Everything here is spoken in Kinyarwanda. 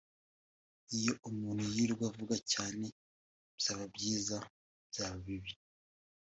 Iyo umuntu yirirwa avugwa cyane byaba byiza byaba bibi